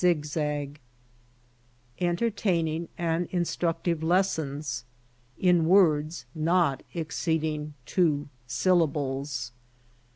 ig zag Entertaining and instructive Lessons, in ivords not exceeding two Syllables.